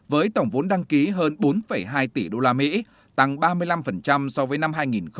với tổng vốn đăng ký hơn bốn hai tỷ usd tăng ba mươi năm so với năm hai nghìn một mươi bảy